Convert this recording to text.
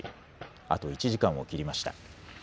あと１時間を切りました。